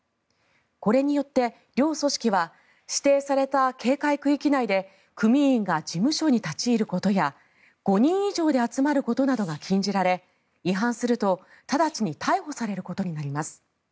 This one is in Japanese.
これによって両組織は指定された警戒区域内で組員が事務所に立ち入ることや５人以上で集まることなどが禁じられ違反すると直ちに逮捕されることになります。